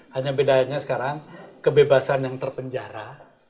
hanya bedanya sekarang kebebasan yang terpenjara